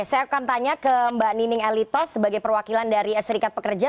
saya akan tanya ke mbak nining elitos sebagai perwakilan dari serikat pekerja